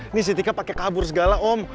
ini siti k pake kabur segala om